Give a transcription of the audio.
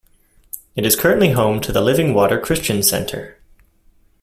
It is currently home to the Living Water Christian Center.